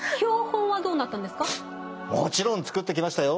もちろん作ってきましたよ！